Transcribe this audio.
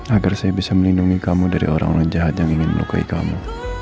agar saya bisa melindungi kamu dari orang orang jahat yang ingin melukai kamu